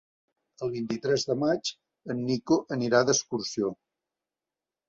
El vint-i-tres de maig en Nico anirà d'excursió.